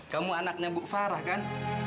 kamu anaknya bu farah kan